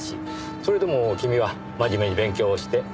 それでも君は真面目に勉強をして高校に入学。